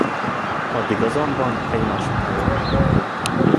Addig azonban egymás után jönnek a gondok.